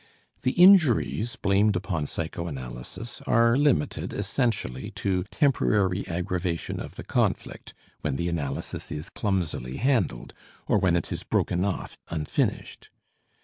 The injuries blamed upon psychoanalysis are limited essentially to temporary aggravation of the conflict when the analysis is clumsily handled, or when it is broken off unfinished.